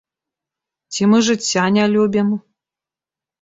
Ці мы жыцця не любім?